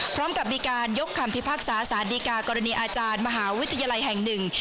พร้อมกับมีการยกคำพิพากษาสารดีกากรณีอาจารย์มหาวิทยาลัยแห่งหนึ่ง